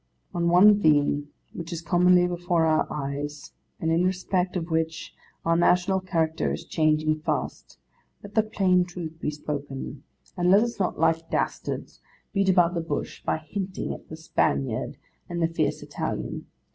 On one theme, which is commonly before our eyes, and in respect of which our national character is changing fast, let the plain Truth be spoken, and let us not, like dastards, beat about the bush by hinting at the Spaniard and the fierce Italian.